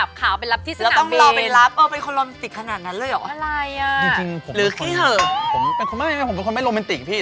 หรือเป็นคนไม่โรแมนติกพี่